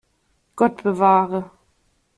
Gott bewahre!